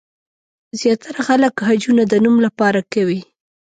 زیاتره خلک حجونه د نوم لپاره کوي.